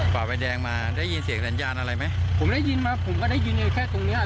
กว่าไฟแดงมาได้ยินเสียงดันยาลอะไรมั้ยผมได้ยินมาผมก็ได้ยินแค่ตรงนี้อะ